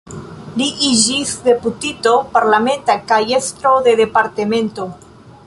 Li iĝis deputito parlamenta kaj estro de departemento.